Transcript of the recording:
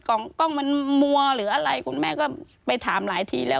กล้องมันมัวหรืออะไรคุณแม่ก็ไปถามหลายทีแล้ว